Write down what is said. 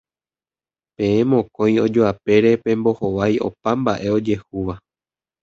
Peẽ mokõi ojoapére pembohovái opa mba'e ojehúva